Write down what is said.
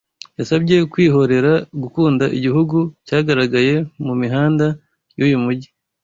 yasabye kwihorera gukunda igihugu cyagaragaye mu mihanda y" uyu mujyi